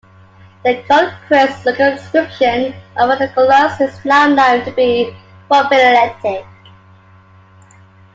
The Cronquist circumscription of Ranunculales is now known to be polyphyletic.